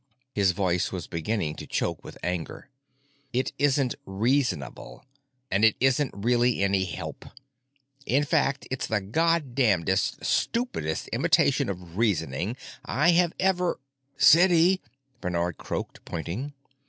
His voice was beginning to choke with anger. "It isn't reasonable and it isn't really any help. In fact it's the God damndest stupidest imitation of reasoning I have ever——" "City," Bernard croaked, pointing.